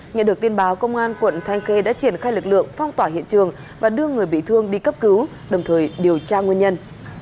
nhận được tin báo công an quận thanh khê đã triển khai lực lượng phong tỏa hiện trường và đưa người bị thương đi cấp cứu đồng thời điều tra nguyên nhân